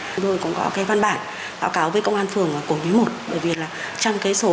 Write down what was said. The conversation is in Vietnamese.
chúng tôi cũng có cái văn bản báo cáo với công an phường của bí mật